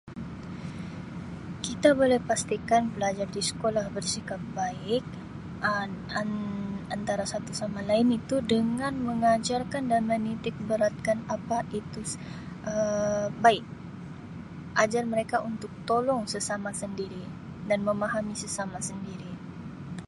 Kita boleh pastikan pelajar di sekolah bersikap baik Um an - antara satu sama lain itu dengan mengajarkan dan menitik beratkan apa itu Um baik ajar mereka untuk tolong sesama sendiri dan memahami sesama sendiri.